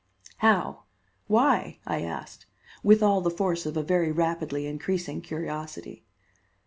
"How? Why?" I asked, with all the force of a very rapidly increasing curiosity.